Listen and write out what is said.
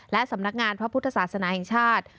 และสำนักงานพระพุทธศาสนาแห่งชาติ